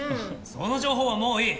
その情報はもういい！